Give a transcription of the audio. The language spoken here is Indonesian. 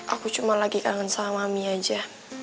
aku cuma lagi kangen sama mie aja